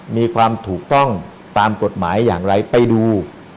มีความถูกต้องตามกฎหมายอย่างไรไปดู